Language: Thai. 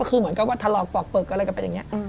คือเหมือนกับว่าทะลอกปอกเปลือกอะไรก็ไปอย่างนี้